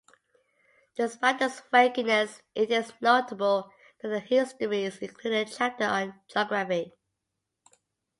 Despite this vagueness it is notable that the "Histories" include a chapter on geography.